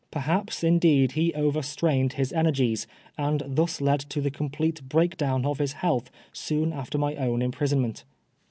Perhaps, indeed he overstrained his energies, and thus led to the complete breakdown of his health soon after my my imprisonment.